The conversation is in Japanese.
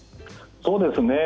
そうですね。